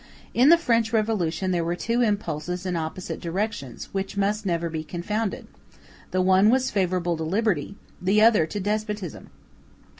In the French Revolution there were two impulses in opposite directions, which must never be confounded—the one was favorable to liberty, the other to despotism.